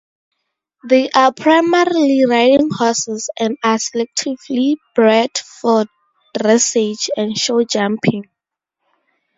They are primarily riding horses, and are selectively bred for dressage and show jumping.